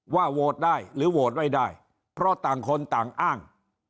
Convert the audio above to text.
โหวตได้หรือโหวตไม่ได้เพราะต่างคนต่างอ้าง